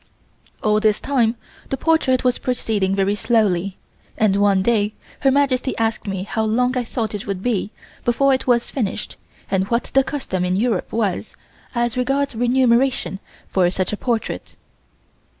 All this time the portrait was proceeding very slowly and one day Her Majesty asked me how long I thought it would be before it was finished and what the custom in Europe was as regards remuneration for such a portrait.